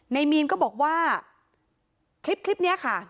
ในมีนก็บอกว่าคลิปนี้ค่ะ